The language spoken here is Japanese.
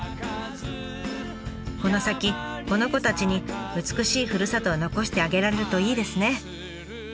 この先この子たちに美しいふるさとを残してあげられるといいですね。